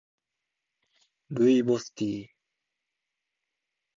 ルイボスティー